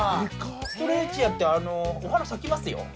ストレリチアってお花咲きますよ。